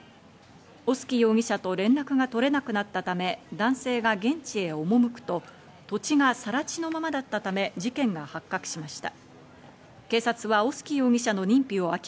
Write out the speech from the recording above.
小薄容疑者と連絡が取れなくなったため、男性が現地へ赴くと、土地がさら地のままだったため事件が発覚しました。